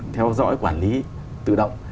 theo dõi quản lý tự động